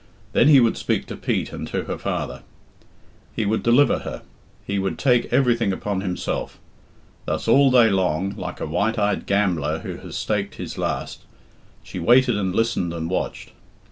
Then he would speak to Pete and to her father; he would deliver her; he would take everything upon himself. Thus all day long, like a white eyed gambler who has staked his last, she waited and listened and watched.